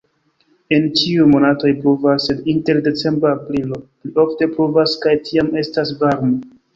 En ĉiuj monatoj pluvas, sed inter decembro-aprilo pli ofte pluvas kaj tiam estas varmo.